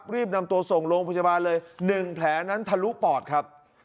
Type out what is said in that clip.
รีบนำตัวส่งโรงพยาบาลเลย๑แผลนั้นทะลุปอดครับ